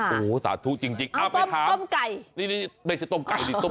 โอ้โหสาธุจริงอ้าวไปถามเอาโต้มไก่